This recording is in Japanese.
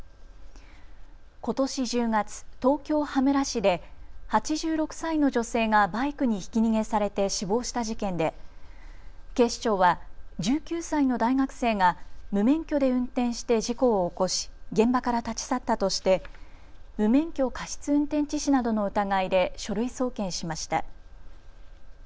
ことし１０月、東京羽村市で８６歳の女性がバイクにひき逃げされて死亡した事件で警視庁は１９歳の大学生が無免許で運転して事故を起こし現場から立ち去ったとして無免許過失運転致死などの疑いで書類送検しました。